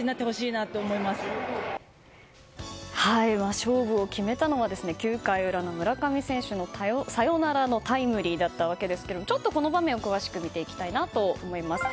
勝負を決めたのは９回裏の、村上選手のサヨナラのタイムリーだったわけですがちょっとこの場面を詳しく見ていきたいと思います。